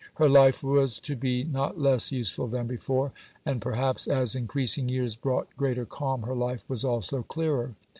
Her life was to be not less useful than before, and perhaps, as increasing years brought greater calm, her life was also clearer.